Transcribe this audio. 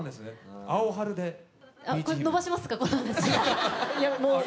伸ばしますか、この話。